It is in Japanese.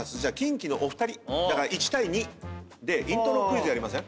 だから１対２でイントロクイズやりません？